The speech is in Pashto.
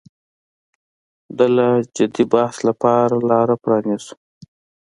د لا جدي بحث لپاره لاره پرانیزو.